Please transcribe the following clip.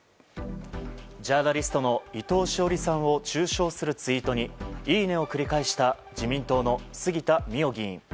ジャーナリストの伊藤詩織さんを中傷するツイートにいいねを繰り返した自民党の杉田水脈議員。